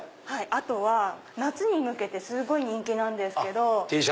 あとは夏に向けてすごい人気なんですけど。